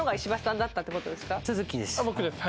僕です。